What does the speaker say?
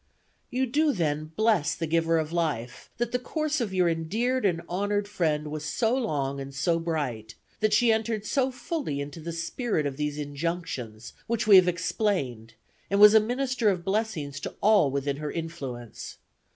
You do, then, bless the Giver of life, that the course of your endeared and honored friend was so long and so bright; that she entered so fully into the spirit of these injunctions which we have explained, and was a minister of blessings to all within her influence.